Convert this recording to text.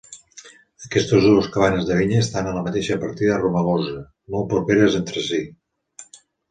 Aquestes dues cabanes de vinya estan a la mateixa partida Romagosa, molt properes entre si.